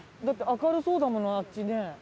だって明るそうだものあっちね。